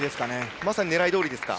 まさに狙いどおりですか。